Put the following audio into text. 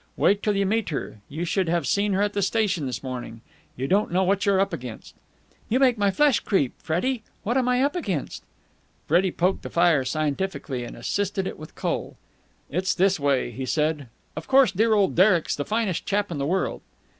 "Wait till you meet her! You should have seen her at the station this morning. You don't know what you're up against!" "You make my flesh creep, Freddie. What am I up against?" Freddie poked the fire scientifically, and assisted it with coal. "It's this way," he said. "Of course, dear old Derek's the finest chap in the world."